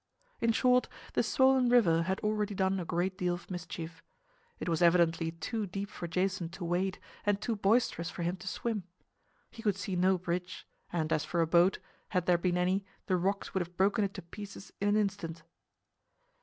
In short, the swollen river had already done a great deal of mischief. It was evidently too deep for Jason to wade and too boisterous for him to swim; he could see no bridge, and as for a boat, had there been any, the rocks would have broken it to pieces in an instant.